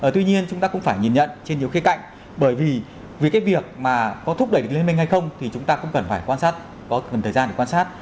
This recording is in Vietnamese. tuy nhiên chúng ta cũng phải nhìn nhận trên nhiều khía cạnh bởi vì cái việc mà có thúc đẩy được liên minh hay không thì chúng ta cũng cần phải quan sát có cần thời gian để quan sát